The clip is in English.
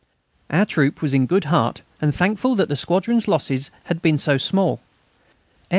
Our troop was in good heart and thankful that the squadron's losses had been so small. F.